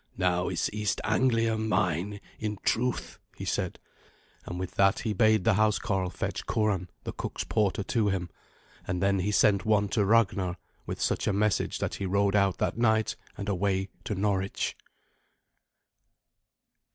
"Now is East Anglia mine in truth," he said; and with that he bade the housecarl fetch Curan, the cook's porter, to him. And then he sent one to Ragnar with such a message that he rode out that night and away to Norwich.